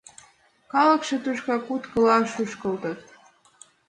Калыкше тушко куткыла шӱшкылтын.